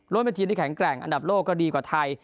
เป็นทีมที่แข็งแกร่งอันดับโลกก็ดีกว่าไทย